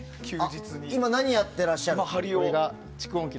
今、何をやってらっしゃるんですか？